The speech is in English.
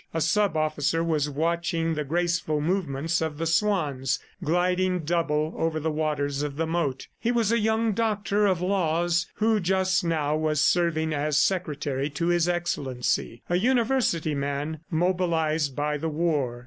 A sub officer was watching the graceful movements of the swans gliding double over the waters of the moat. He was a young Doctor of Laws who just now was serving as secretary to His Excellency a university man mobilized by the war.